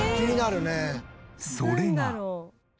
それが。